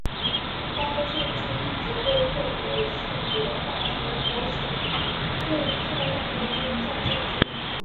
该建筑一直被认为是罗讷河口省最漂亮的宗教建筑。